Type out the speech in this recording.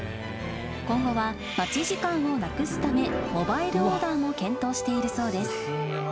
今後は待ち時間をなくすため、モバイルオーダーも検討しているそうです。